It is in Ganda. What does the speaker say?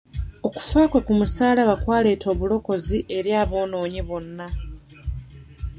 Okufa kwe ku musaalaba kwaleeta obulokozi eri aboonoonyi bonna.